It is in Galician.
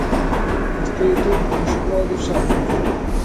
Gastei o tempo co xornal dos sábados.